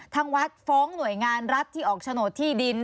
ทางวัดฟ้องหน่วยงานรัฐที่ออกโฉนดที่ดิน